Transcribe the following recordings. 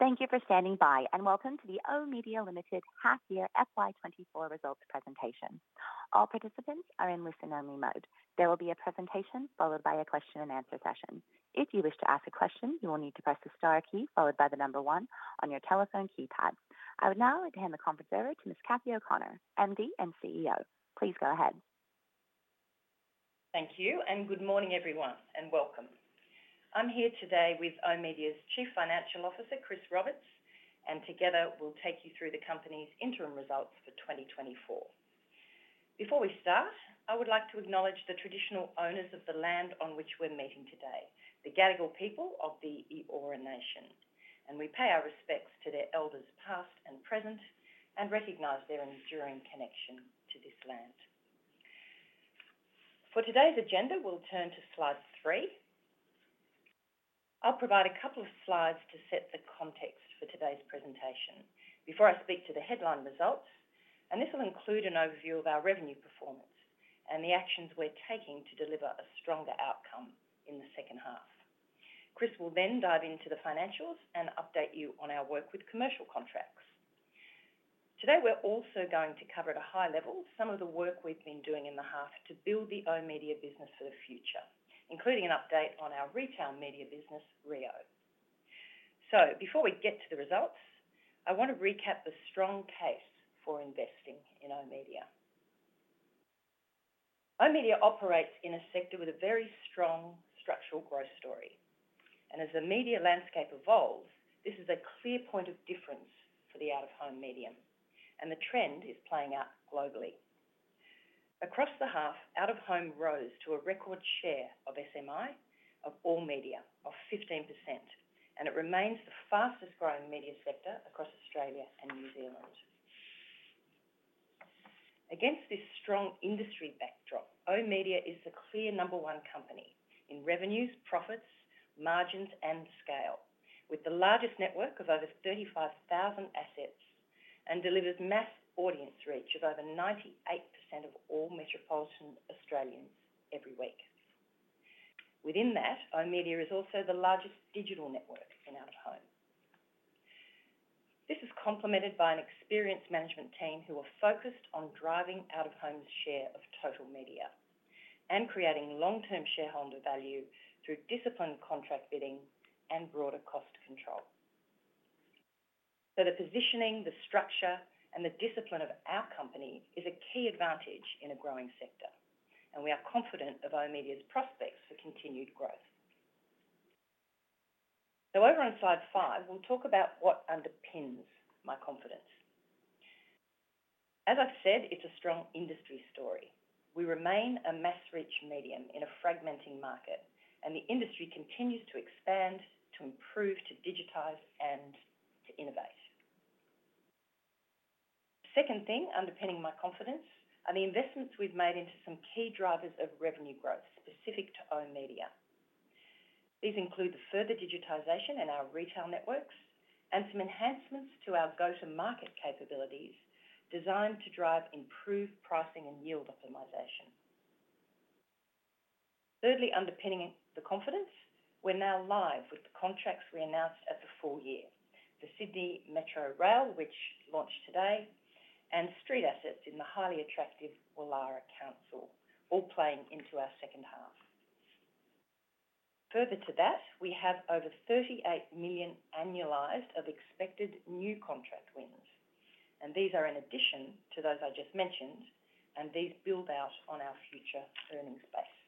Thank you for standing by, and welcome to the oOh!media Limited half year FY 2024 results presentation. All participants are in listen-only mode. There will be a presentation, followed by a question and answer session. If you wish to ask a question, you will need to press the star key, followed by the number one on your telephone keypad. I would now hand the conference over to Ms. Cathy O'Connor, MD and CEO. Please go ahead. Thank you, and good morning, everyone, and welcome. I'm here today with oOh!media's Chief Financial Officer, Chris Roberts, and together we'll take you through the company's interim results for twenty twenty-four. Before we start, I would like to acknowledge the traditional owners of the land on which we're meeting today, the Gadigal people of the Eora Nation, and we pay our respects to their elders, past and present, and recognize their enduring connection to this land. For today's agenda, we'll turn to slide three. I'll provide a couple of slides to set the context for today's presentation before I speak to the headline results, and this will include an overview of our revenue performance and the actions we're taking to deliver a stronger outcome in the second half. Chris will then dive into the financials and update you on our work with commercial contracts. Today, we're also going to cover at a high level, some of the work we've been doing in the half to build the oOh!media business for the future, including an update on our retail media business, reo. So before we get to the results, I want to recap the strong case for investing in oOh!media. oOh!media operates in a sector with a very strong structural growth story, and as the media landscape evolves, this is a clear point of difference for the out-of-home medium, and the trend is playing out globally. Across the half, out-of-home rose to a record share of SMI, of all media, of 15%, and it remains the fastest growing media sector across Australia and New Zealand. Against this strong industry backdrop, oOh!media is the clear number one company in revenues, profits, margins, and scale, with the largest network of over 35,000 assets, and delivers mass audience reach of over 98% of all metropolitan Australians every week. Within that, oOh!media is also the largest digital network in out-of-home. This is complemented by an experienced management team who are focused on driving out-of-home's share of total media and creating long-term shareholder value through disciplined contract bidding and broader cost control. So the positioning, the structure, and the discipline of our company is a key advantage in a growing sector, and we are confident of oOh!media's prospects for continued growth. So over on slide five, we'll talk about what underpins my confidence. As I've said, it's a strong industry story. We remain a mass-reach medium in a fragmenting market, and the industry continues to expand, to improve, to digitize, and to innovate. Second thing underpinning my confidence are the investments we've made into some key drivers of revenue growth specific to oOh!media. These include the further digitization in our retail networks and some enhancements to our go-to-market capabilities, designed to drive improved pricing and yield optimization. Thirdly, underpinning the confidence, we're now live with the contracts we announced at the full year: the Sydney Metro Rail, which launched today, and street assets in the highly attractive Woollahra Council, all playing into our second half. Further to that, we have over 38 million annualized of expected new contract wins, and these are in addition to those I just mentioned, and these build out on our future earnings base.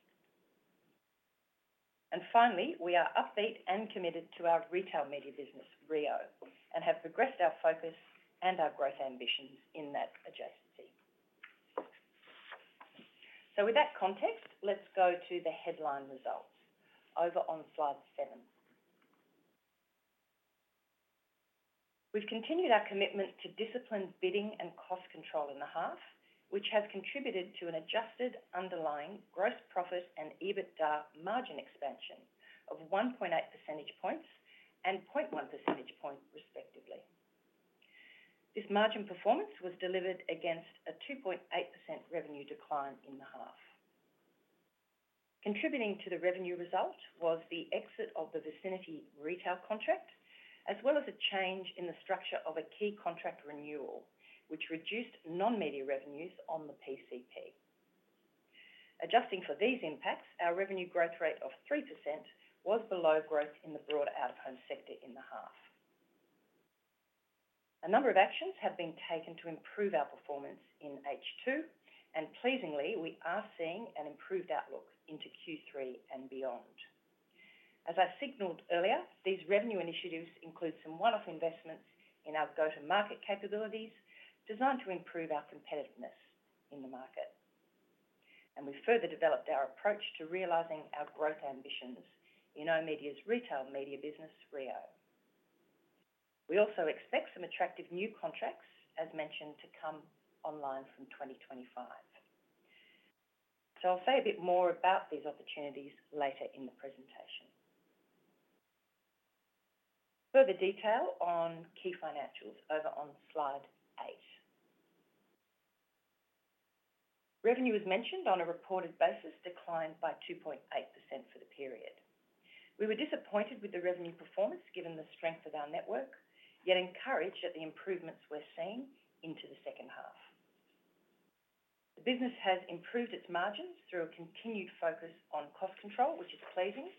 Finally, we are upbeat and committed to our retail media business, reo, and have progressed our focus and our growth ambitions in that adjacency. With that context, let's go to the headline results over on slide seven. We've continued our commitment to disciplined bidding and cost control in the half, which has contributed to an adjusted underlying gross profit and EBITDA margin expansion of 1.8 percentage points and 0.1 percentage point respectively. This margin performance was delivered against a 2.8% revenue decline in the half. Contributing to the revenue result was the exit of the Vicinity retail contract, as well as a change in the structure of a key contract renewal, which reduced non-media revenues on the PCP. Adjusting for these impacts, our revenue growth rate of 3% was below growth in the broader out-of-home sector in the half. A number of actions have been taken to improve our performance in H2, and pleasingly, we are seeing an improved outlook into Q3 and beyond. As I signaled earlier, these revenue initiatives include some one-off investments in our go-to-market capabilities, designed to improve our competitiveness in the market, and we've further developed our approach to realizing our growth ambitions in oOh!media's retail media business, reo. We also expect some attractive new contracts, as mentioned, to come online from 2025, so I'll say a bit more about these opportunities later in the presentation. Further detail on key financials over on slide eight. Revenue was mentioned on a reported basis, declined by 2.8% for the period. We were disappointed with the revenue performance, given the strength of our network, yet encouraged at the improvements we're seeing into the second half. The business has improved its margins through a continued focus on cost control, which is pleasing,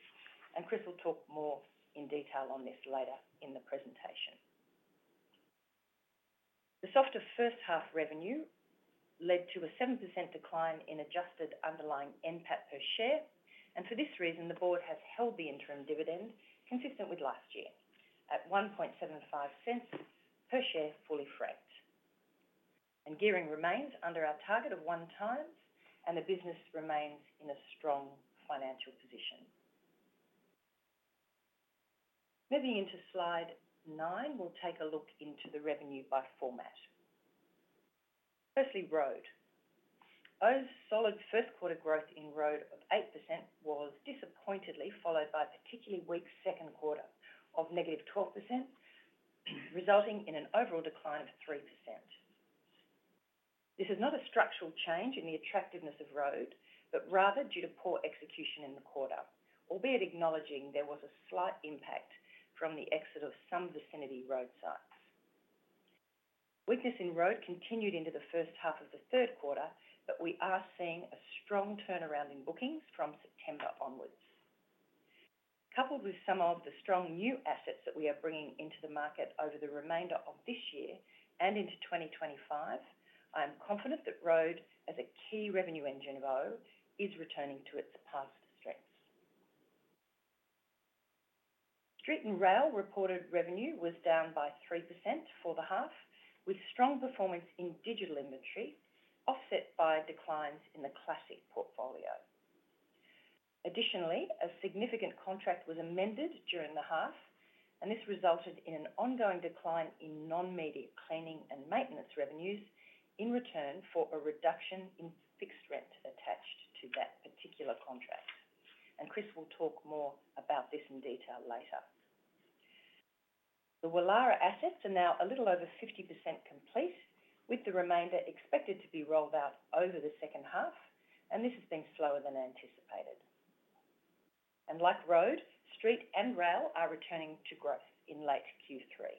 and Chris will talk more in detail on this later in the presentation. The softer first half revenue led to a 7% decline in adjusted underlying NPAT per share, and for this reason, the board has held the interim dividend consistent with last year, at 0.175 per share, fully franked. Gearing remains under our target of 1x, and the business remains in a strong financial position. Moving into slide nine, we'll take a look into the revenue by format. Firstly, Road. oOh!'s solid first quarter growth in Road of 8% was disappointedly followed by a particularly weak second quarter of negative 2%, resulting in an overall decline of 3%. This is not a structural change in the attractiveness of Road, but rather due to poor execution in the quarter, albeit acknowledging there was a slight impact from the exit of some Vicinity road sites. Weakness in Road continued into the first half of the third quarter, but we are seeing a strong turnaround in bookings from September onwards. Coupled with some of the strong new assets that we are bringing into the market over the remainder of this year and into 2025, I am confident that Road, as a key revenue engine of oOh!, is returning to its past strengths. Street and Rail reported revenue was down by 3% for the half, with strong performance in digital inventory offset by declines in the classic portfolio. Additionally, a significant contract was amended during the half, and this resulted in an ongoing decline in non-media cleaning and maintenance revenues, in return for a reduction in fixed rent attached to that particular contract, and Chris will talk more about this in detail later. The Woollahra assets are now a little over 50% complete, with the remainder expected to be rolled out over the second half, and this has been slower than anticipated, and like Road, Street and Rail are returning to growth in late Q3.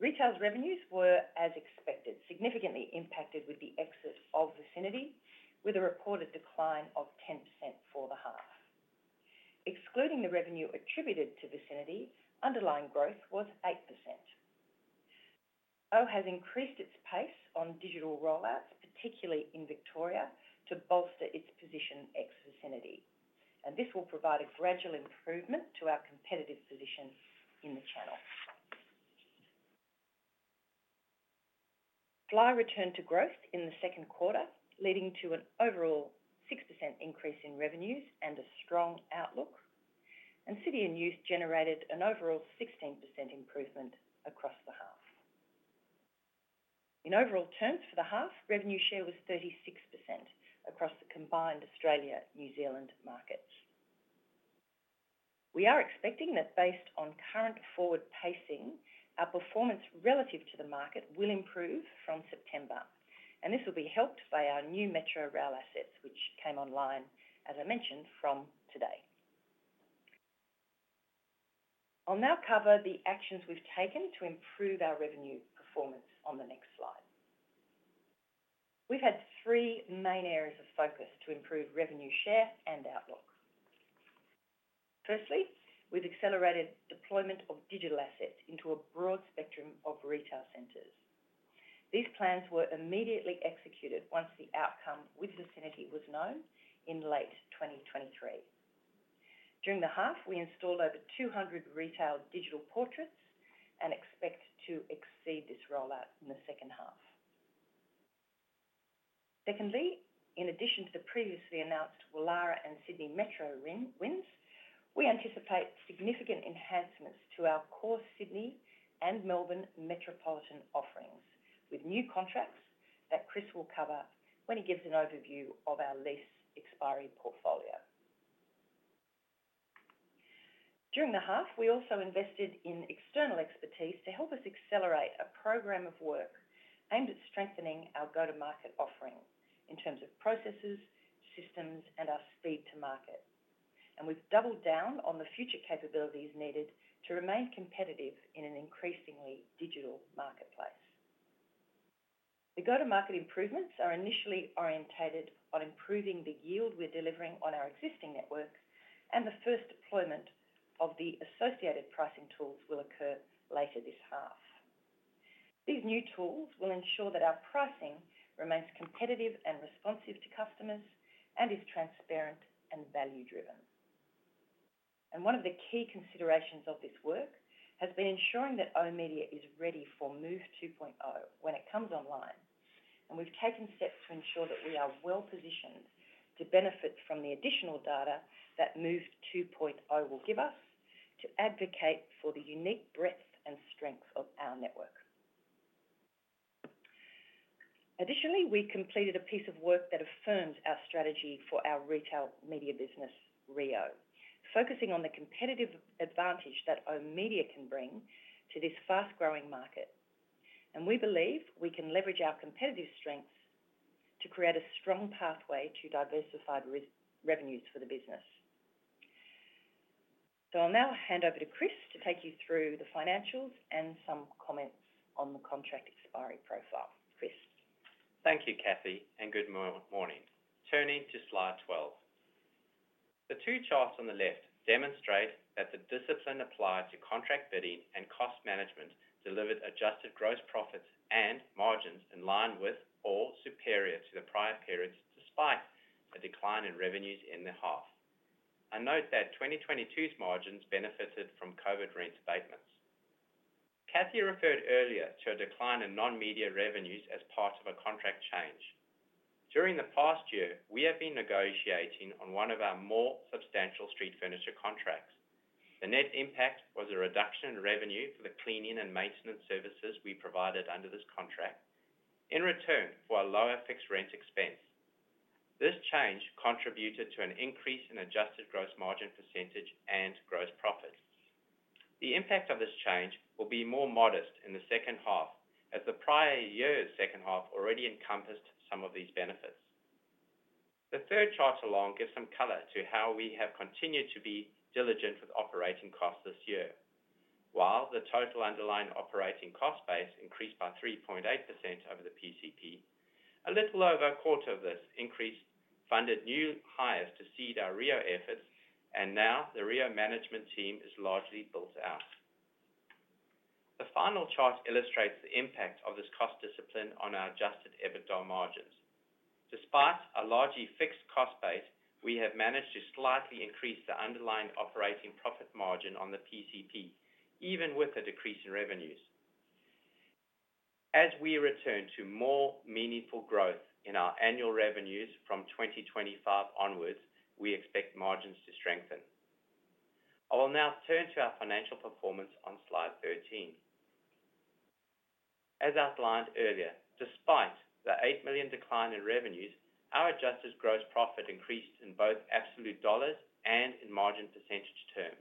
Retail's revenues were, as expected, significantly impacted with the exit of Vicinity, with a reported decline of 10% for the half. Excluding the revenue attributed to Vicinity, underlying growth was 8%. oOh! has increased its pace on digital rollouts, particularly in Victoria, to bolster its position ex-Vicinity, and this will provide a gradual improvement to our competitive position in the channel. Fly returned to growth in the second quarter, leading to an overall 6% increase in revenues and a strong outlook, and City and Youth generated an overall 16% improvement across the half. In overall terms for the half, revenue share was 36% across the combined Australia, New Zealand markets. We are expecting that based on current forward pacing, our performance relative to the market will improve from September, and this will be helped by our new Metro Rail assets, which came online, as I mentioned, from today. I'll now cover the actions we've taken to improve our revenue performance on the next slide. We've had three main areas of focus to improve revenue share and outlook. Firstly, we've accelerated deployment of digital assets into a broad spectrum of retail centers. These plans were immediately executed once the outcome with Vicinity was known in late 2023. During the half, we installed over two hundred retail digital portraits and expect to exceed this rollout in the second half. Secondly, in addition to the previously announced Woollahra and Sydney Metro recent wins, we anticipate significant enhancements to our core Sydney and Melbourne metropolitan offerings, with new contracts that Chris will cover when he gives an overview of our lease expiry portfolio. During the half, we also invested in external expertise to help us accelerate a program of work aimed at strengthening our go-to-market offering in terms of processes, systems, and our speed to market, and we've doubled down on the future capabilities needed to remain competitive in an increasingly digital marketplace. The go-to-market improvements are initially oriented on improving the yield we're delivering on our existing network, and the first deployment of the associated pricing tools will occur later this half. These new tools will ensure that our pricing remains competitive and responsive to customers, and is transparent and value-driven. One of the key considerations of this work has been ensuring that oOh!media is ready for MOVE 2.0 when it comes online, and we've taken steps to ensure that we are well positioned to benefit from the additional data that MOVE 2.0 will give us to advocate for the unique breadth and strength of our network. Additionally, we completed a piece of work that affirmed our strategy for our retail media business, reo, focusing on the competitive advantage that oOh!media can bring to this fast-growing market, and we believe we can leverage our competitive strengths to create a strong pathway to diversified revenues for the business. So I'll now hand over to Chris to take you through the financials and some comments on the contract expiry profile. Chris? Thank you, Cathy, and good morning. Turning to slide 12. The two charts on the left demonstrate that the discipline applied to contract bidding and cost management delivered adjusted gross profits and margins in line with or superior to the prior periods, despite a decline in revenues in the half. I note that 2022's margins benefited from COVID rent abatements. Cathy referred earlier to a decline in non-media revenues as part of a contract change. During the past year, we have been negotiating on one of our more substantial street furniture contracts. The net impact was a reduction in revenue for the cleaning and maintenance services we provided under this contract, in return for a lower fixed rent expense. This change contributed to an increase in adjusted gross margin percentage and gross profits. The impact of this change will be more modest in the second half, as the prior year's second half already encompassed some of these benefits. The third chart along gives some color to how we have continued to be diligent with operating costs this year. While the total underlying operating cost base increased by 3.8% over the PCP, a little over a quarter of this increase funded new hires to seed our reo efforts, and now the reo management team is largely built out. The final chart illustrates the impact of this cost discipline on our adjusted EBITDA margins. Despite a largely fixed cost base, we have managed to slightly increase the underlying operating profit margin on the PCP, even with a decrease in revenues. As we return to more meaningful growth in our annual revenues from 2025 onwards, we expect margins to strengthen. I will now turn to our financial performance on slide 13. As outlined earlier, despite the 8 million decline in revenues, our adjusted gross profit increased in both absolute dollars and in margin percentage terms.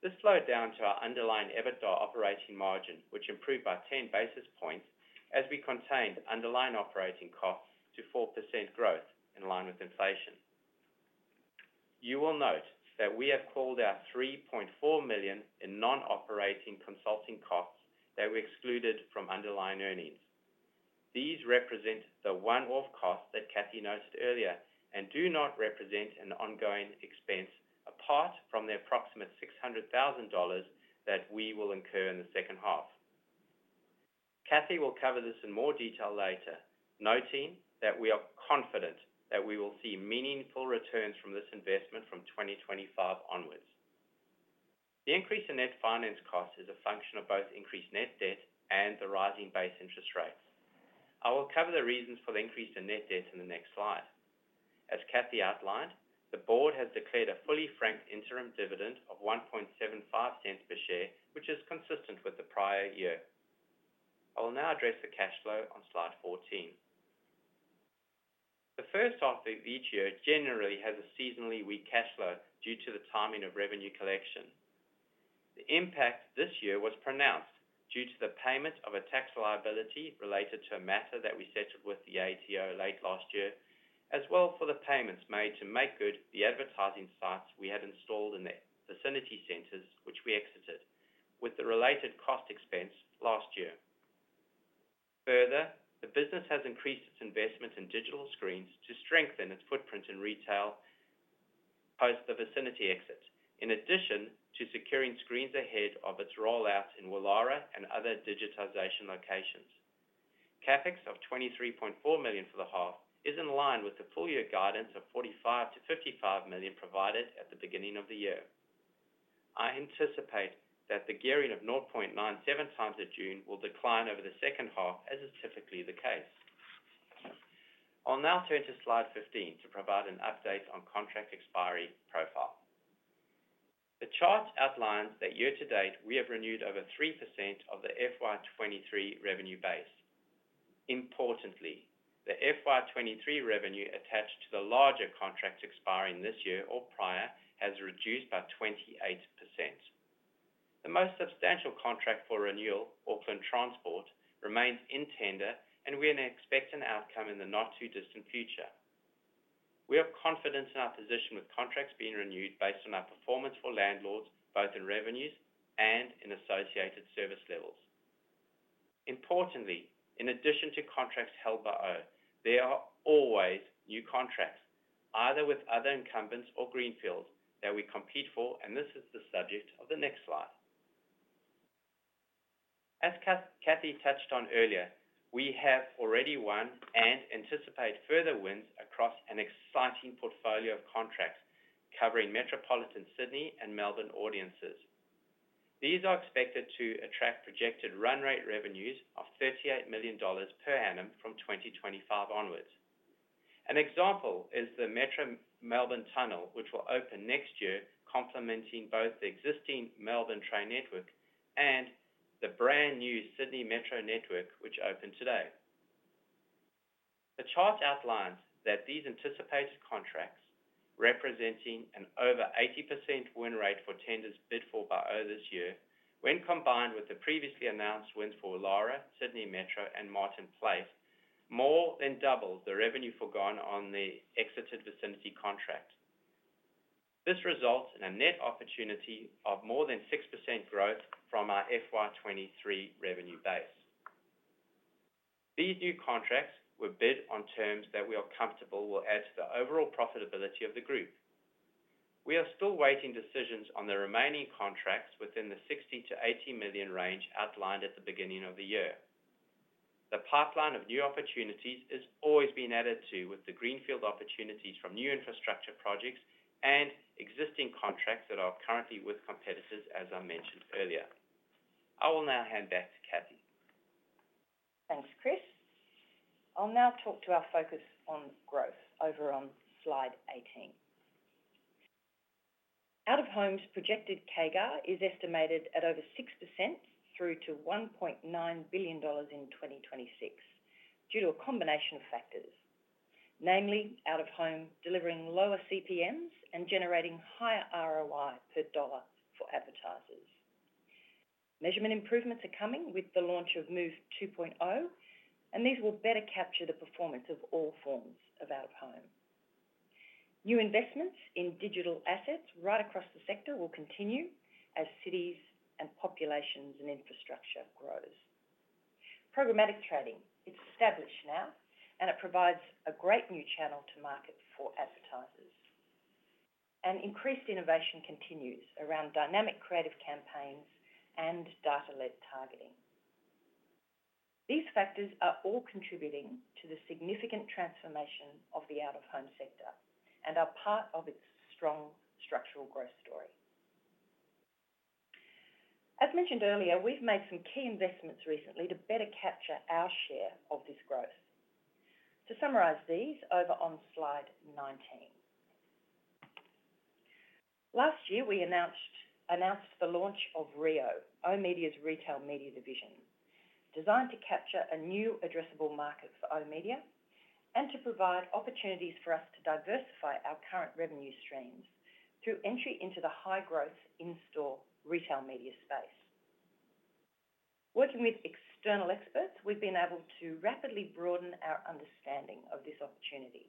This flowed down to our underlying EBITDA operating margin, which improved by 10 basis points, as we contained underlying operating costs to 4% growth in line with inflation. You will note that we have called out 3.4 million in non-operating consulting costs that we excluded from underlying earnings. These represent the one-off cost that Cathy noted earlier, and do not represent an ongoing expense, apart from the approximate 600,000 dollars that we will incur in the second half. Cathy will cover this in more detail later, noting that we are confident that we will see meaningful returns from this investment from 2025 onwards. The increase in net finance cost is a function of both increased net debt and the rising base interest rates. I will cover the reasons for the increase in net debt in the next slide. As Cathy outlined, the board has declared a fully franked interim dividend of 1.75 cents per share, which is consistent with the prior year. I will now address the cash flow on slide 14. The first half of each year generally has a seasonally weak cash flow due to the timing of revenue collection. The impact this year was pronounced due to the payment of a tax liability related to a matter that we settled with the ATO late last year, as well for the payments made to make good the advertising sites we had installed in the Vicinity Centres, which we exited, with the related cost expense last year. Further, the business has increased its investment in digital screens to strengthen its footprint in retail post the Vicinity exit, in addition to securing screens ahead of its rollout in Woollahra and other digitization locations. CapEx of 23.4 million for the half is in line with the full year guidance of 45 million-55 million provided at the beginning of the year. I anticipate that the gearing of 0.97x at June will decline over the second half, as is typically the case. I'll now turn to slide 15 to provide an update on contract expiry profile. The chart outlines that year to date, we have renewed over 3% of the FY 2023 revenue base. Importantly, the FY 2023 revenue attached to the larger contracts expiring this year or prior, has reduced by 28%. The most substantial contract for renewal, Auckland Transport, remains in tender, and we expect an outcome in the not-too-distant future. We have confidence in our position with contracts being renewed based on our performance for landlords, both in revenues and in associated service levels. Importantly, in addition to contracts held by oOh!, there are always new contracts, either with other incumbents or greenfields, that we compete for, and this is the subject of the next slide. As Cathy touched on earlier, we have already won and anticipate further wins across an exciting portfolio of contracts covering metropolitan Sydney and Melbourne audiences. These are expected to attract projected run rate revenues of 38 million dollars per annum from 2025 onwards. An example is the Metro Melbourne Tunnel, which will open next year, complementing both the existing Melbourne train network and the brand-new Sydney Metro network, which opened today. The chart outlines that these anticipated contracts, representing an over 80% win rate for tenders bid for by oOh! this year, when combined with the previously announced wins for Auckland, Sydney Metro, and Martin Place, more than double the revenue forgone on the exited Vicinity contract. This results in a net opportunity of more than 6% growth from our FY 2023 revenue base. These new contracts were bid on terms that we are comfortable will add to the overall profitability of the group. We are still waiting decisions on the remaining contracts within the 60 million-80 million range outlined at the beginning of the year. The pipeline of new opportunities is always being added to, with the greenfield opportunities from new infrastructure projects and existing contracts that are currently with competitors, as I mentioned earlier. I will now hand back to Cathy. Thanks, Chris. I'll now talk to our focus on growth over on slide 18. Out-of-home's projected CAGR is estimated at over 6%, through to 1.9 billion dollars in 2026, due to a combination of factors, namely out-of-home delivering lower CPMs and generating higher ROI per dollar for advertisers. Measurement improvements are coming with the launch of MOVE 2.0, and these will better capture the performance of all forms of out-of-home. New investments in digital assets right across the sector will continue as cities and populations and infrastructure grows. Programmatic trading is established now, and it provides a great new channel to market for advertisers. Increased innovation continues around dynamic creative campaigns and data-led targeting. These factors are all contributing to the significant transformation of the out-of-home sector and are part of its strong structural growth story. As mentioned earlier, we've made some key investments recently to better capture our share of this growth. To summarize these, over on slide 19. Last year, we announced the launch of reo, oOh!media's retail media division, designed to capture a new addressable market for oOh!media and to provide opportunities for us to diversify our current revenue streams through entry into the high-growth in-store retail media space. Working with external experts, we've been able to rapidly broaden our understanding of this opportunity,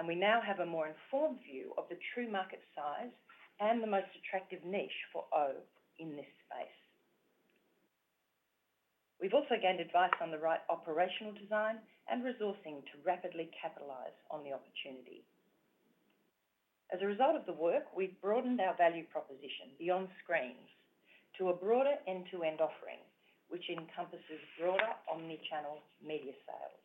and we now have a more informed view of the true market size and the most attractive niche for oOh! in this space. We've also gained advice on the right operational design and resourcing to rapidly capitalize on the opportunity. As a result of the work, we've broadened our value proposition beyond screens to a broader end-to-end offering, which encompasses broader omni-channel media sales.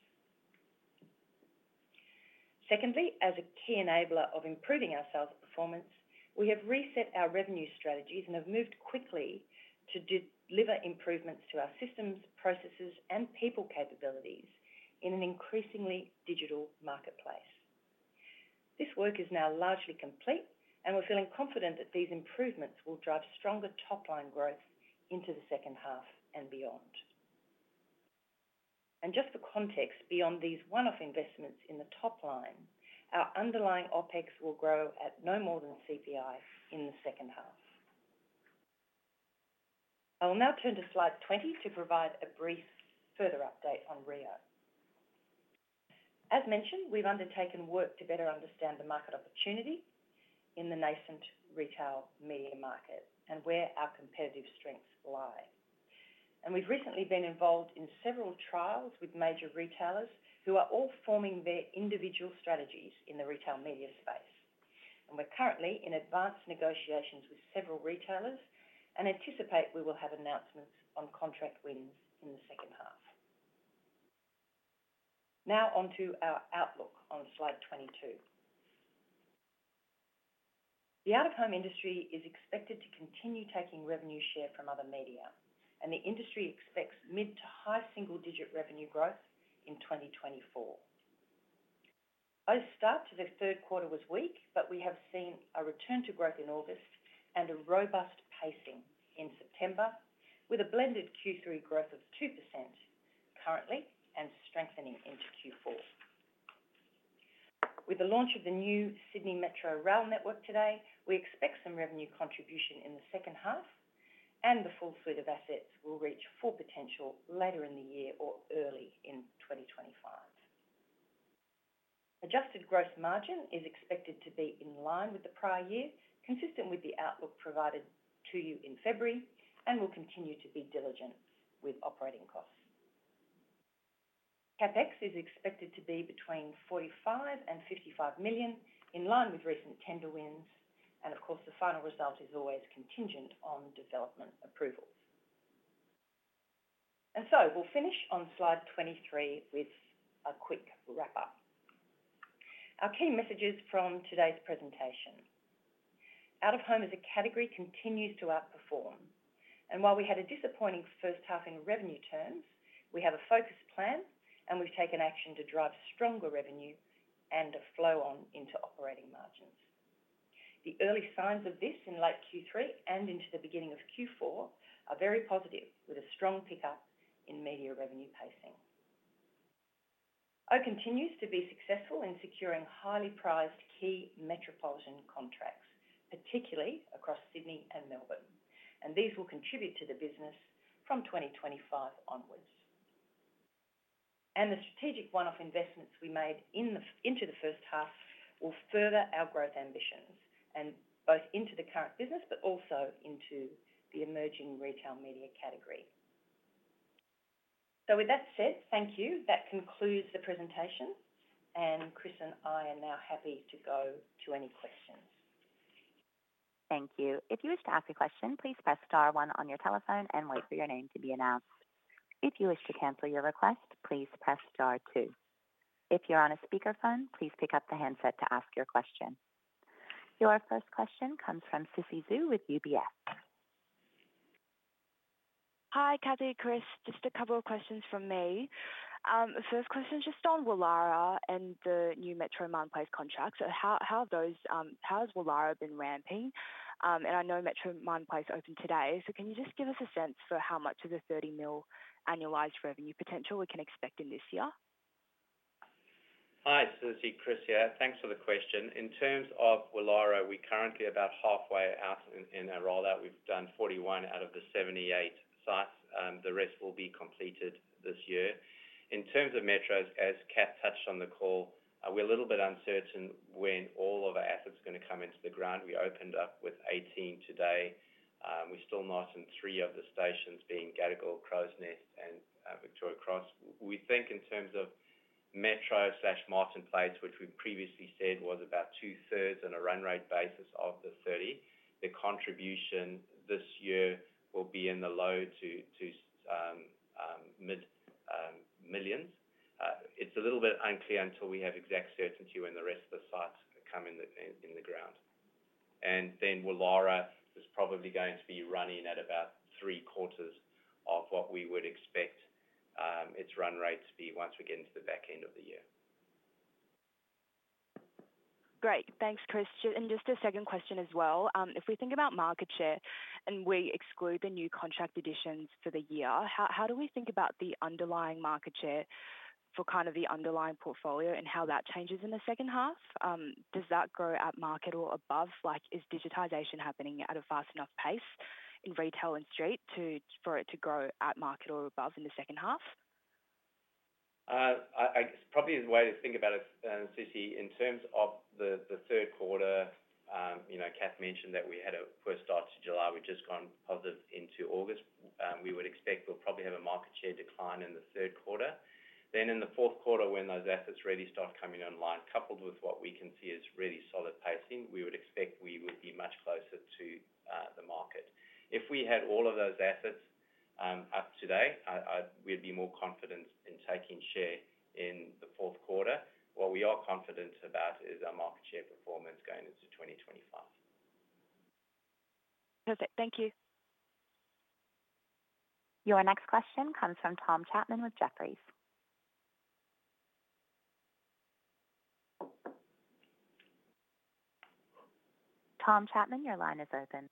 Secondly, as a key enabler of improving our sales performance, we have reset our revenue strategies and have moved quickly to deliver improvements to our systems, processes, and people capabilities in an increasingly digital marketplace. This work is now largely complete, and we're feeling confident that these improvements will drive stronger top-line growth into the second half and beyond. And just for context, beyond these one-off investments in the top line, our underlying OpEx will grow at no more than CPI in the second half. I will now turn to slide 20 to provide a brief further update on reo. As mentioned, we've undertaken work to better understand the market opportunity in the nascent retail media market and where our competitive strengths lie. And we've recently been involved in several trials with major retailers who are all forming their individual strategies in the retail media space. We're currently in advanced negotiations with several retailers and anticipate we will have announcements on contract wins in the second half. Now onto our outlook on slide 22. The out-of-home industry is expected to continue taking revenue share from other media, and the industry expects mid-to-high single-digit revenue growth in 2024. oOh! start to the third quarter was weak, but we have seen a return to growth in August and a robust pacing in September, with a blended Q3 growth of 2% currently and strengthening into Q4. With the launch of the new Sydney Metro rail network today, we expect some revenue contribution in the second half, and the full suite of assets will reach full potential later in the year or early in 2025. Adjusted gross margin is expected to be in line with the prior year, consistent with the outlook provided to you in February, and we'll continue to be diligent with operating costs. CapEx is expected to be between 45 million and 55 million, in line with recent tender wins, and of course, the final result is always contingent on development approvals, and so we'll finish on slide 23 with a quick wrap-up. Our key messages from today's presentation: Out-of-home as a category continues to outperform, and while we had a disappointing first half in revenue terms, we have a focused plan, and we've taken action to drive stronger revenue and a flow on into operating margins. The early signs of this in late Q3 and into the beginning of Q4 are very positive, with a strong pickup in media revenue pacing. oOh! continues to be successful in securing highly prized key metropolitan contracts, particularly across Sydney and Melbourne, and these will contribute to the business from twenty twenty-five onwards, and the strategic one-off investments we made into the first half will further our growth ambitions, and both into the current business but also into the emerging retail media category, so with that said, thank you. That concludes the presentation, and Chris and I are now happy to go to any questions. Thank you. If you wish to ask a question, please press star one on your telephone and wait for your name to be announced. If you wish to cancel your request, please press star two. If you're on a speakerphone, please pick up the handset to ask your question. Your first question comes from Cissy Xu with UBS. Hi, Cathy, Chris. Just a couple of questions from me. The first question, just on Woollahra and the new Metro Martin Place contract. So how are those, how has Woollahra been ramping? And I know Metro Martin Place opened today, so can you just give us a sense for how much of the 30 million annualized revenue potential we can expect in this year? Hi, Cissy, Chris here. Thanks for the question. In terms of Woollahra, we're currently about halfway out in our rollout. We've done forty-one out of the seventy-eight sites, the rest will be completed this year. In terms of metros, as Cath touched on the call, we're a little bit uncertain when all of our assets are going to come into the ground. We opened up with eighteen today. We're still missing three of the stations, being Gadigal, Crows Nest, and Victoria Cross. We think in terms of metro slash Martin Place, which we previously said was about 2/3 on a run rate basis of the 30, the contribution this year will be in the low to mid millions. It's a little bit unclear until we have exact certainty when the rest of the sites come in the ground. Then Woollahra is probably going to be running at about three-quarters of what we would expect its run rate to be once we get into the back end of the year. Great. Thanks, Chris. Just, and just a second question as well. If we think about market share, and we exclude the new contract additions for the year, how do we think about the underlying market share for kind of the underlying portfolio and how that changes in the second half? Does that grow at market or above? Like, is digitization happening at a fast enough pace in retail and street to for it to grow at market or above in the second half? Probably the way to think about it, Susie, in terms of the third quarter, you know, Cath mentioned that we had a poor start to July. We've just gone positive into August. We would expect we'll probably have a market share decline in the third quarter. Then in the fourth quarter, when those assets really start coming online, coupled with what we can see is really solid pacing, we would expect we would be much closer to the market. If we had all of those assets up today, we'd be more confident in taking share in the fourth quarter. What we are confident about is our market share performance going into 2025. Perfect. Thank you. Your next question comes from Tom Chapman with Jefferies. Tom Chapman, your line is open.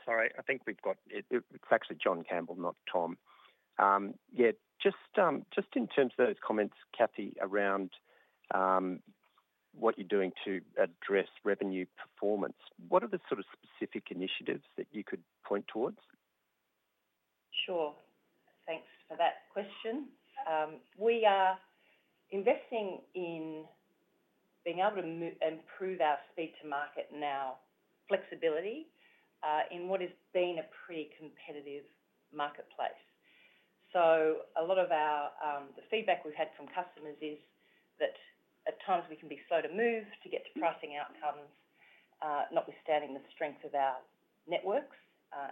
Oh. Sorry, I think we've got it. It's actually John Campbell, not Tom. Yeah, just in terms of those comments, Cathy, around what you're doing to address revenue performance, what are the sort of specific initiatives that you could point towards? Sure. Thanks for that question. We are investing in being able to improve our speed to market and our flexibility in what has been a pretty competitive marketplace. So a lot of the feedback we've had from customers is that at times we can be slow to move to get to pricing outcomes, notwithstanding the strength of our networks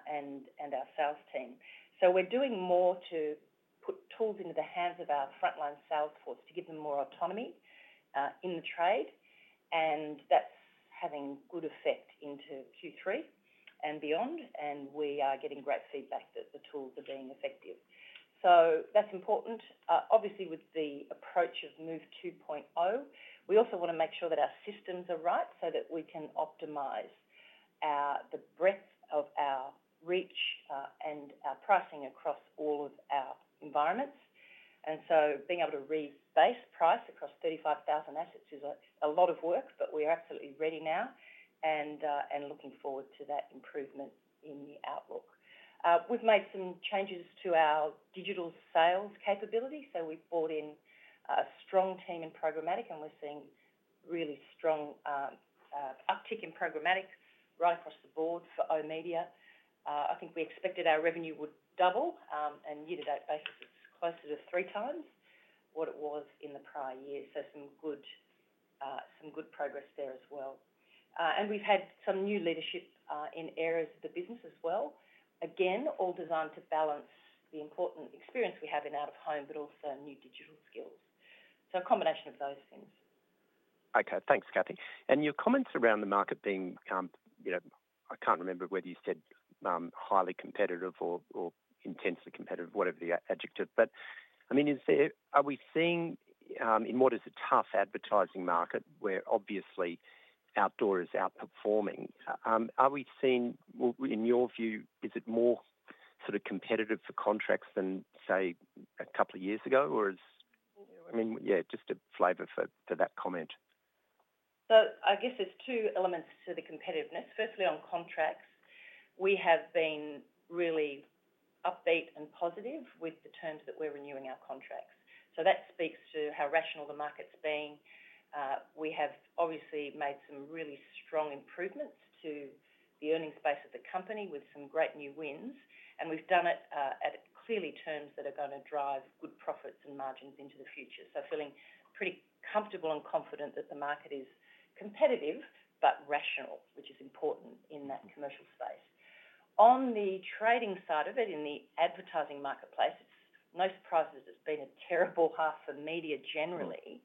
and our sales team. So we're doing more to put tools into the hands of our frontline sales force to give them more autonomy in the trade, and that's having good effect into Q3 and beyond, and we are getting great feedback that the tools are being effective. So that's important. Obviously, with the approach of MOVE 2.0, we also want to make sure that our systems are right so that we can optimize the breadth of our reach and our pricing across all of our environments, and so being able to rebase price across 35,000 assets is a lot of work, but we are absolutely ready now and looking forward to that improvement in the outlook. We've made some changes to our digital sales capability, so we've brought in a strong team in programmatic, and we're seeing really strong uptick in programmatic right across the board for oOh!media. I think we expected our revenue would double, and year-to-date basis, it's closer to 3x what it was in the prior year, so some good progress there as well. and we've had some new leadership in areas of the business as well. Again, all designed to balance the important experience we have in out-of-home, but also new digital skills. So a combination of those things. Okay, thanks, Cathy. And your comments around the market being, you know, I can't remember whether you said highly competitive or intensely competitive, whatever the adjective. But, I mean, is there? Are we seeing in what is a tough advertising market, where obviously outdoor is outperforming, are we seeing in your view, is it more sort of competitive for contracts than, say, a couple of years ago? Or is, I mean, yeah, just a flavor for that comment? So I guess there's two elements to the competitiveness. Firstly, on contracts, we have been really upbeat and positive with the terms that we're renewing our contracts. So that speaks to how rational the market's been. We have obviously made some really strong improvements to the earnings base of the company with some great new wins, and we've done it at clearly terms that are gonna drive good profits and margins into the future. So feeling pretty comfortable and confident that the market is competitive, but rational, which is important in that commercial space. On the trading side of it, in the advertising marketplace, it's no surprise as it's been a terrible half for media generally.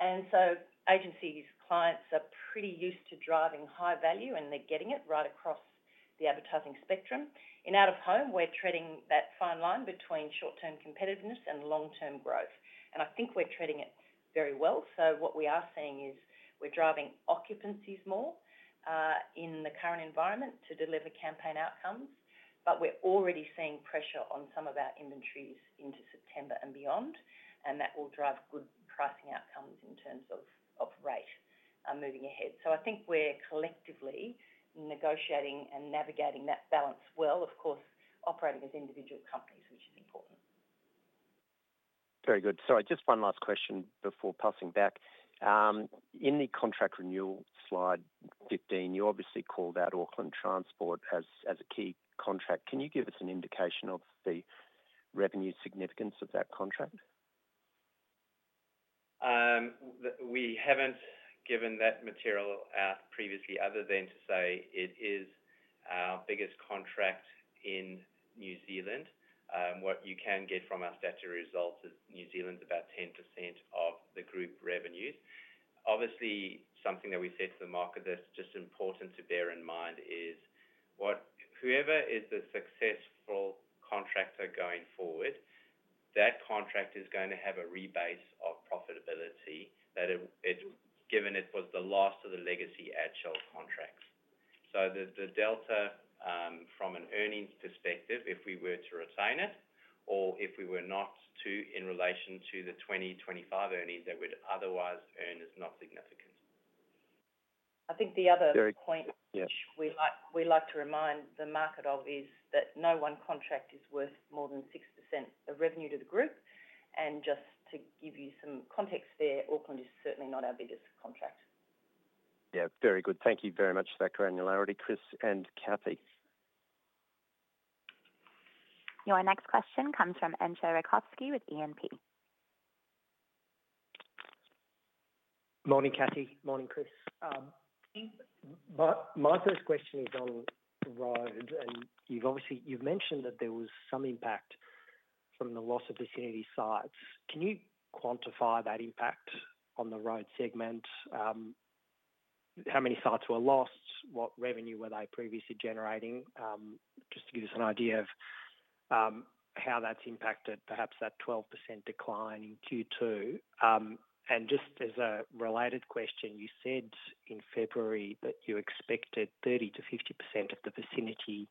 And so agencies, clients are pretty used to driving high value, and they're getting it right across the advertising spectrum. In out-of-home, we're treading that fine line between short-term competitiveness and long-term growth, and I think we're treading it very well, so what we are seeing is we're driving occupancies more in the current environment to deliver campaign outcomes, but we're already seeing pressure on some of our inventories into September and beyond, and that will drive good pricing outcomes in terms of rate moving ahead, so I think we're collectively negotiating and navigating that balance well, of course, operating as individual companies, which is important. Very good. Sorry, just one last question before passing back. In the contract renewal, slide 15, you obviously called out Auckland Transport as a key contract. Can you give us an indication of the revenue significance of that contract? We haven't given that material out previously, other than to say it is our biggest contract in New Zealand. What you can get from our statutory results is New Zealand's about 10% of the group revenues. Obviously, something that we said to the market that's just important to bear in mind is whoever is the successful contractor going forward, that contract is going to have a rebase of profitability, given it was the last of the legacy Adshel contracts. So the delta from an earnings perspective, if we were to retain it or if we were not to, in relation to the 2025 earnings that we'd otherwise earn, is not significant. I think the other. Very. Point. Yeah. Which we like, we like to remind the market of, is that no one contract is worth more than 6% of revenue to the group. And just to give you some context there, Auckland is certainly not our biggest contract. Yeah, very good. Thank you very much for that granularity, Chris and Cathy. Your next question comes from Entcho Raykovski with E&P. Morning, Cathy. Morning, Chris. Hey. My first question is on road, and you've obviously mentioned that there was some impact from the loss of Vicinity sites. Can you quantify that impact on the road segment? How many sites were lost? What revenue were they previously generating? Just to give us an idea of how that's impacted, perhaps that 12% decline in Q2. And just as a related question, you said in February that you expected 30%-50% of the Vicinity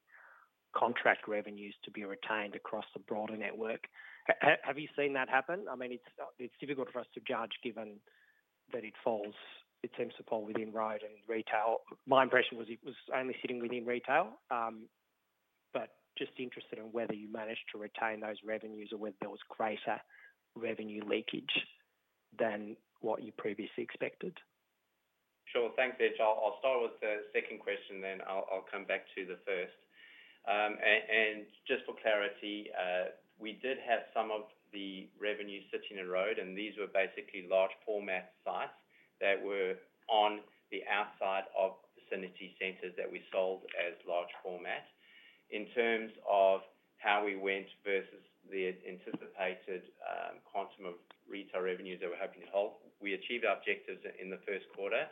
contract revenues to be retained across the broader network. Have you seen that happen? I mean, it's difficult for us to judge, given that it falls, it seems to fall within road and retail. My impression was it was only sitting within retail, but just interested in whether you managed to retain those revenues or whether there was greater revenue leakage than what you previously expected. Sure. Thanks, Entcho. I'll start with the second question, then I'll come back to the first. And just for clarity, we did have some of the revenue sitting in road, and these were basically large format sites that were on the outside of Vicinity Centres that we sold as large format. In terms of how we went versus the anticipated quantum of retail revenues that we're hoping to hold, we achieved our objectives in the first quarter.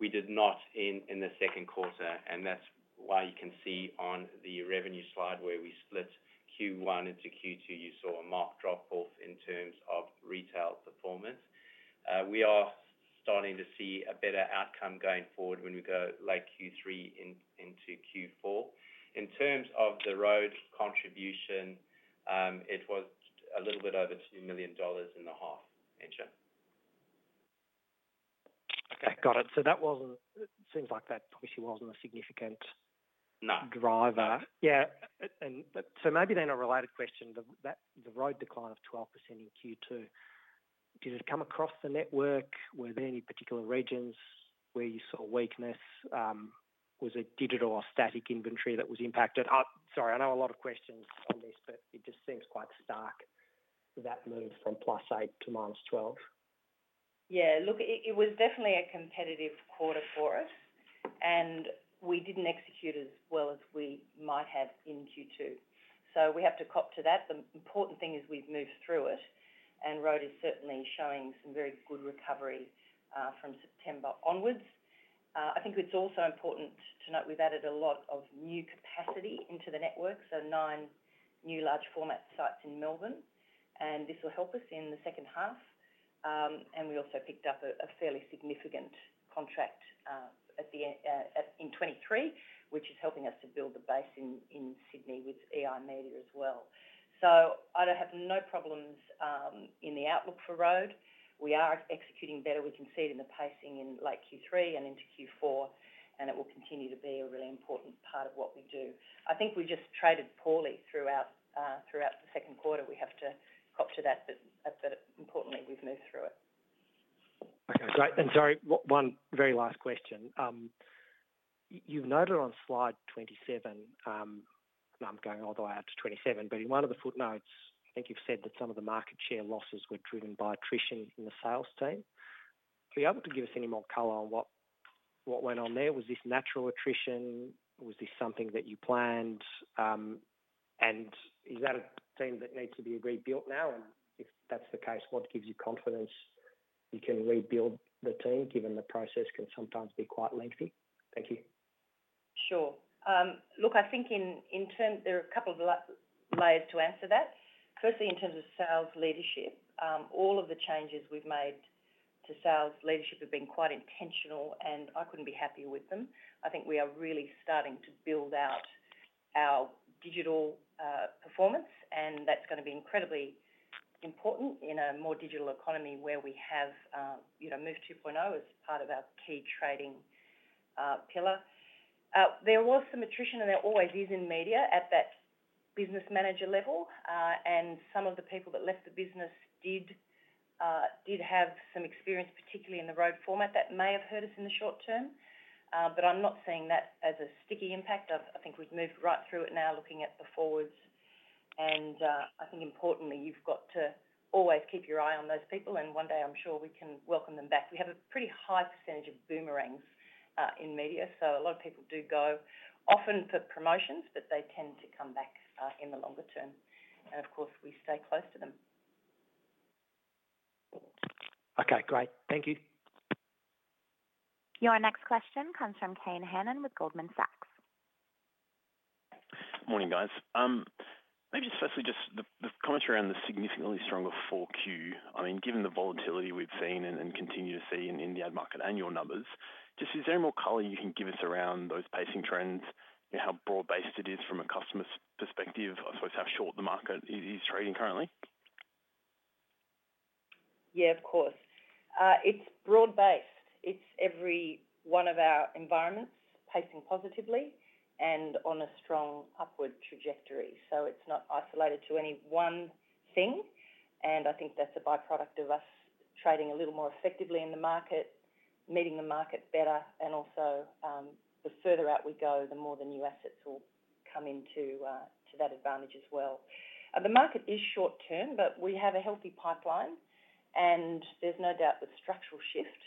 We did not in the second quarter, and that's why you can see on the revenue slide where we split Q1 into Q2, you saw a marked drop-off in terms of retail performance. We are starting to see a better outcome going forward when we go late Q3 into Q4. In terms of the road's contribution, it was a little bit over 2 million dollars in the half, Entcho. Okay, got it. So that wasn't... It seems like that probably wasn't a significant. No. Driver. Yeah, and, but so maybe then a related question, that the road decline of 12% in Q2, did it come across the network? Were there any particular regions where you saw weakness? Was it digital or static inventory that was impacted? Sorry, I know a lot of questions on this, but it just seems quite stark with that move from +8% to -12%. Yeah, look, it was definitely a competitive quarter for us, and we didn't execute as well as we might have in Q2. So we have to cop to that. The important thing is we've moved through it, and Road is certainly showing some very good recovery from September onwards. I think it's also important to note we've added a lot of new capacity into the network, so nine new large format sites in Melbourne, and this will help us in the second half. And we also picked up a fairly significant contract at the end in 2023, which is helping us to build the base in Sydney with EiMedia as well. So I don't have no problems in the outlook for Road. We are executing better. We can see it in the pacing in late Q3 and into Q4, and it will continue to be a really important part of what we do. I think we just traded poorly throughout the second quarter. We have to cop to that, but importantly, we've moved through it. Okay, great. And sorry, one very last question. You've noted on slide 27, I'm going all the way out to 27, but in one of the footnotes, I think you've said that some of the market share losses were driven by attrition in the sales team. Are you able to give us any more color on what went on there? Was this natural attrition? Was this something that you planned? And is that a team that needs to be rebuilt now? And if that's the case, what gives you confidence you can rebuild the team, given the process can sometimes be quite lengthy? Thank you. Sure. Look, I think in terms. There are a couple of layers to answer that. Firstly, in terms of sales leadership, all of the changes we've made to sales leadership have been quite intentional, and I couldn't be happier with them. I think we are really starting to build out our digital performance, and that's going to be incredibly important in a more digital economy where we have, you know, MOVE 2.0 as part of our key trading pillar. There was some attrition, and there always is in media at that business manager level, and some of the people that left the business did have some experience, particularly in the Road format. That may have hurt us in the short term, but I'm not seeing that as a sticky impact. I think we've moved right through it now, looking at the forwards, and I think importantly, you've got to always keep your eye on those people, and one day I'm sure we can welcome them back. We have a pretty high percentage of boomerangs in media, so a lot of people do go, often for promotions, but they tend to come back in the longer term, and of course, we stay close to them. Okay, great. Thank you. Your next question comes from Kane Hannan with Goldman Sachs. Morning, guys. Maybe firstly, just the commentary around the significantly stronger 4Q. I mean, given the volatility we've seen and continue to see in the ad market annual numbers, just is there more color you can give us around those pacing trends? You know, how broad-based it is from a customer's perspective, I suppose, how short the market is, is trading currently? Yeah, of course. It's broad-based. It's every one of our environments pacing positively and on a strong upward trajectory. So it's not isolated to any one thing, and I think that's a by-product of us trading a little more effectively in the market, meeting the market better, and also, the further out we go, the more the new assets will come into, to that advantage as well. The market is short-term, but we have a healthy pipeline, and there's no doubt the structural shift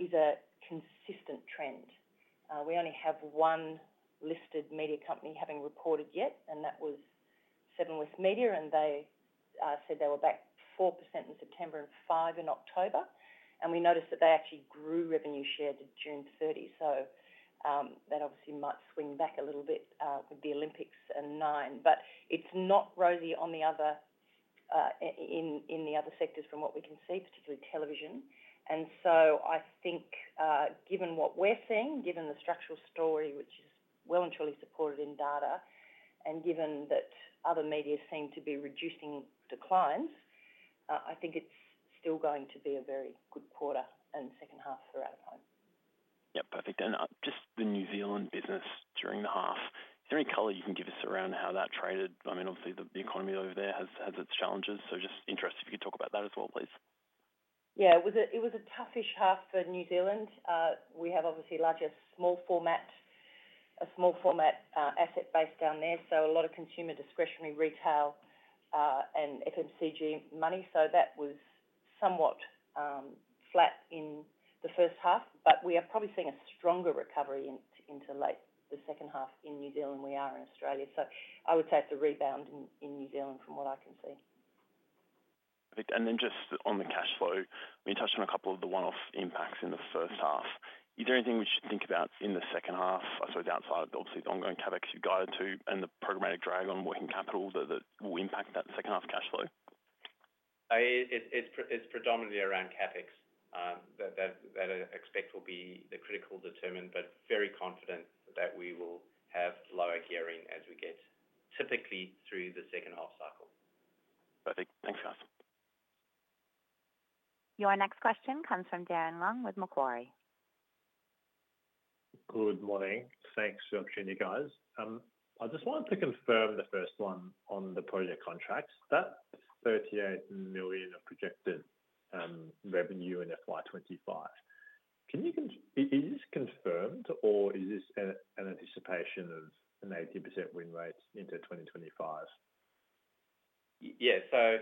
is a consistent trend. We only have one listed media company having reported yet, and that was Seven West Media, and they said they were back 4% in September and 5% in October, and we noticed that they actually grew revenue share to June 30. So, that obviously might swing back a little bit, with the Olympics and Nine. But it's not rosy on the other, in the other sectors from what we can see, particularly television. And so I think, given what we're seeing, given the structural story, which is well and truly supported in data, and given that other medias seem to be reducing declines, I think it's still going to be a very good quarter and second half for out-of-home. Yep, perfect. And just the New Zealand business during the half, is there any color you can give us around how that traded? I mean, obviously, the economy over there has its challenges, so just interested if you could talk about that as well, please. Yeah, it was a toughish half for New Zealand. We have obviously larger small format asset base down there, so a lot of consumer discretionary retail and FMCG money. So that was somewhat flat in the first half, but we are probably seeing a stronger recovery into late the second half in New Zealand than we are in Australia. So I would say it's a rebound in New Zealand, from what I can see. And then just on the cash flow, you touched on a couple of the one-off impacts in the first half. Is there anything we should think about in the second half? I saw the downside of obviously the ongoing CapEx you guided to and the programmatic drag on working capital that, that will impact that second half cash flow? It's predominantly around CapEx that I expect will be the critical determinant, but very confident that we will have lower gearing as we get typically through the second half cycle. Perfect. Thanks, guys. Your next question comes from Darren Leung with Macquarie. Good morning. Thanks for the opportunity, guys. I just wanted to confirm the first one on the project contracts. That 38 million of projected revenue in FY 2025. Can you confirm? Is this confirmed, or is this an anticipation of an 80% win rate into 2025? Yeah, so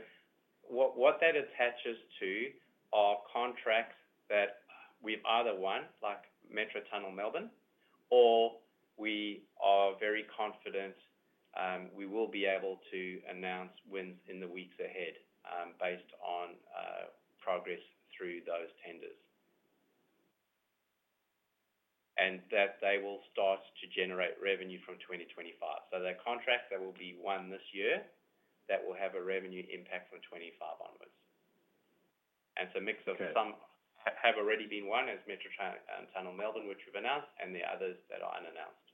what that attaches to are contracts that we've either won, like Metro Tunnel Melbourne, or we are very confident we will be able to announce wins in the weeks ahead, based on progress through those tenders, and that they will start to generate revenue from 2025. So they're contracts that will be won this year, that will have a revenue impact from 2025 onwards. And it's a mix of. Okay. Some have already been won, as Metro Tunnel Melbourne, which we've announced, and there are others that are unannounced.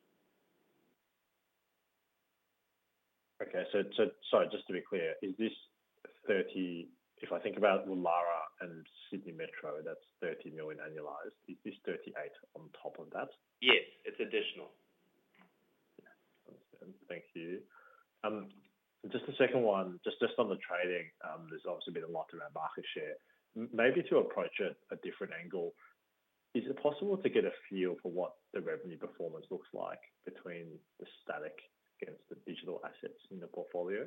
Okay. So sorry, just to be clear. If I think about Woollahra and Sydney Metro, that's 30 million annualized. Is this 38 million on top of that? Yes, it's additional. Yeah. Understand. Thank you. Just a second one, just on the trading, there's obviously been a lot around market share. Maybe to approach it a different angle, is it possible to get a feel for what the revenue performance looks like between the static against the digital assets in the portfolio?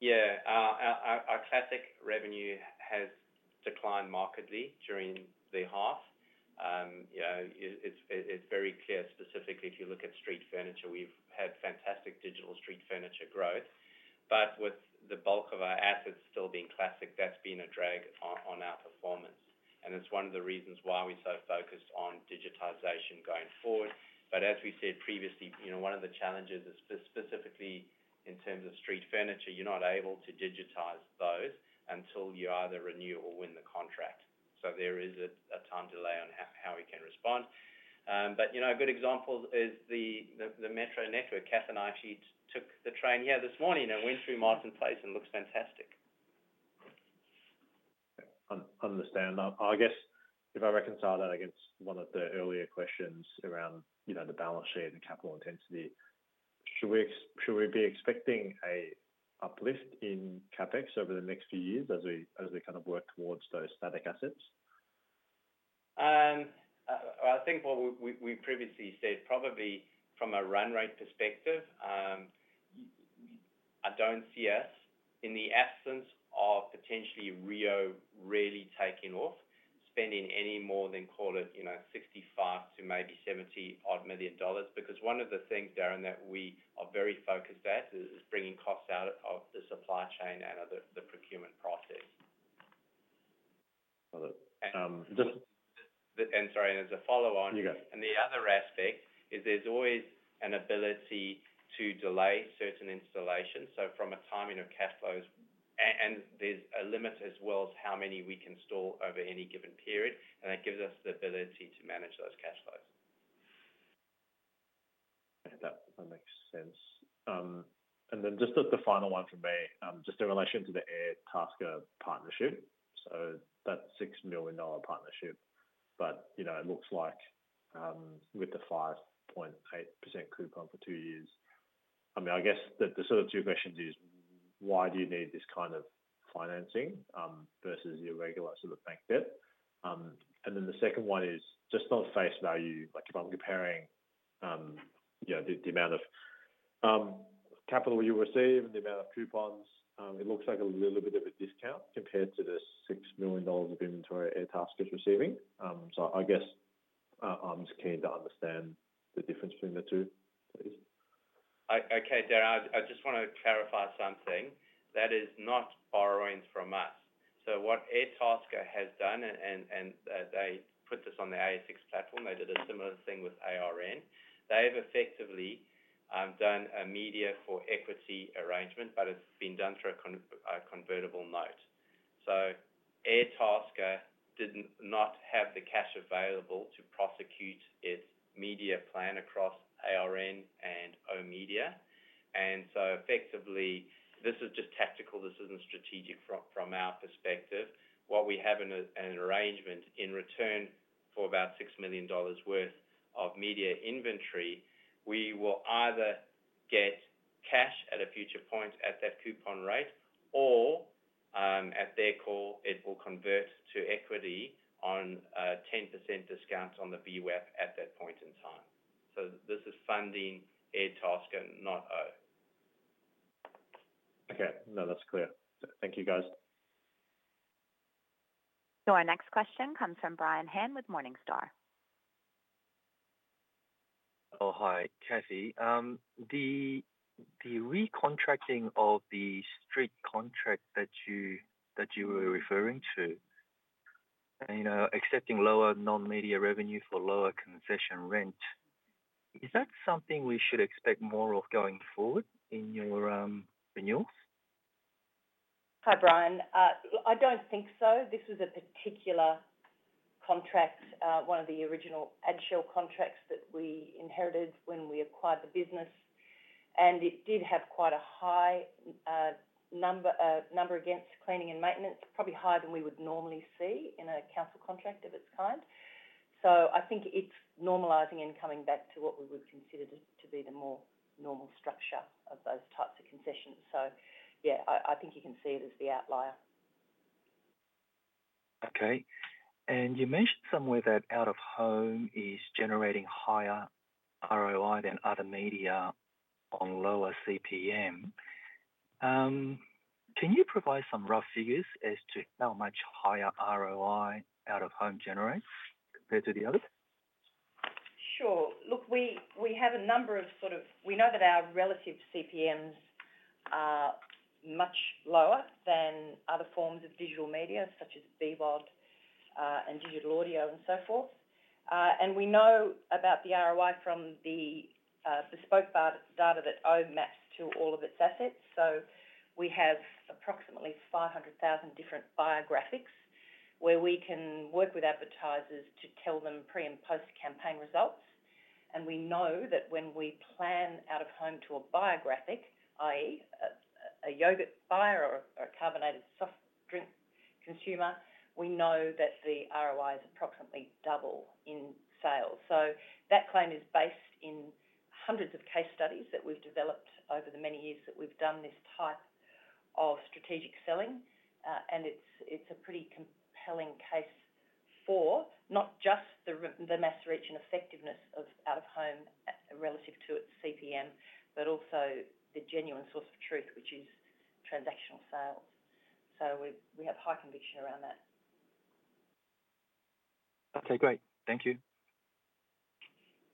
Yeah. Our classic revenue has declined markedly during the half. You know, it's very clear, specifically, if you look at street furniture, we've had fantastic digital street furniture growth, but with the bulk of our assets still being classic, that's been a drag on our performance, and it's one of the reasons why we're so focused on digitization going forward. But as we said previously, you know, one of the challenges is specifically in terms of street furniture, you're not able to digitize those until you either renew or win the contract. So there is a time delay on how we can respond. But, you know, a good example is the Metro network. Cath and I actually took the train here this morning and went through Martin Place, and it looks fantastic. Understand. I guess if I reconcile that against one of the earlier questions around, you know, the balance sheet and capital intensity, should we be expecting an uplift in CapEx over the next few years as we kind of work towards those static assets? I think what we previously said, probably from a run rate perspective, I don't see us in the absence of potentially reo really taking off, spending any more than call it, you know, 65 million-70 odd million dollars. Because one of the things, Darren, that we are very focused at is bringing costs out of the supply chain and of the procurement process. Got it. Sorry, and as a follow-on. You go. The other aspect is there's always an ability to delay certain installations, so from a timing of cash flows, and there's a limit as well as how many we can store over any given period, and that gives us the ability to manage those cash flows. Okay, that makes sense. And then just as the final one from me, just in relation to the Airtasker partnership, so that's 6 million dollar partnership. But, you know, it looks like, with the 5.8% coupon for two years. I mean, I guess the sort of two questions is: Why do you need this kind of financing, versus your regular sort of bank debt? And then the second one is, just on face value, like if I'm comparing, you know, the amount of capital you receive and the amount of coupons, it looks like a little bit of a discount compared to the 6 million dollars of inventory Airtasker is receiving. So I guess, I'm just keen to understand the difference between the two, please. Okay, Darren, I just want to clarify something. That is not borrowings from us. So what Airtasker has done, they put this on the ASX platform, they did a similar thing with ARN. They've effectively done a media for equity arrangement, but it's been done through a convertible note. So Airtasker did not have the cash available to prosecute its media plan across ARN and oOh!media. And so effectively, this is just tactical, this isn't strategic from our perspective. What we have in an arrangement in return for about 6 million dollars worth of media inventory, we will either get cash at a future point at that coupon rate, or at their call, it will convert to equity on a 10% discount on the VWAP at that point in time. This is funding Airtasker, not oOh! Okay. No, that's clear. Thank you, guys. So our next question comes from Brian Han with Morningstar. Oh, hi, Cathy. The recontracting of the street contract that you were referring to, you know, accepting lower non-media revenue for lower concession rent, is that something we should expect more of going forward in your renewals? Hi, Brian. I don't think so. This was a particular contract, one of the original Adshel contracts that we inherited when we acquired the business, and it did have quite a high number against cleaning and maintenance, probably higher than we would normally see in a council contract of its kind. So I think it's normalizing and coming back to what we would consider to be the more normal structure of those types of concessions. So yeah, I think you can see it as the outlier. Okay, and you mentioned somewhere that out-of-home is generating higher ROI than other media on lower CPM. Can you provide some rough figures as to how much higher ROI out-of-home generates compared to the others? Sure. Look, we have a number of. We know that our relative CPMs are much lower than other forms of digital media, such as VOD, and digital audio, and so forth. And we know about the ROI from the bespoke brand data that oOh! maps to all of its assets. So we have approximately 500,000 different Buyerographics, where we can work with advertisers to tell them pre and post-campaign results. We know that when we plan out-of-home to a Buyerographic, i.e., a yogurt buyer or a carbonated soft drink consumer, we know that the ROI is approximately double in sales. So that claim is based on hundreds of case studies that we've developed over the many years that we've done this type of strategic selling. And it's a pretty compelling case for not just the mass reach and effectiveness of out-of-home relative to its CPM, but also the genuine source of truth, which is transactional sales. So we have high conviction around that. Okay, great. Thank you.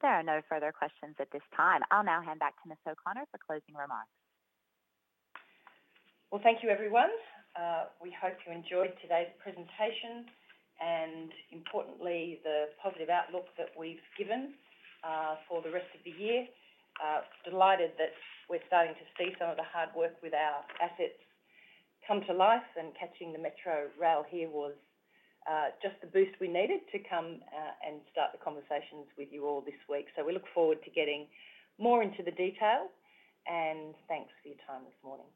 There are no further questions at this time. I'll now hand back to Ms. O'Connor for closing remarks. Thank you, everyone. We hope you enjoyed today's presentation and importantly, the positive outlook that we've given for the rest of the year. Delighted that we're starting to see some of the hard work with our assets come to life, and catching the Metro rail here was just the boost we needed to come and start the conversations with you all this week. We look forward to getting more into the detail, and thanks for your time this morning.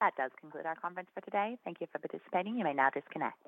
That does conclude our conference for today. Thank you for participating. You may now disconnect.